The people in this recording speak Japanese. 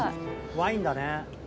ワインだね。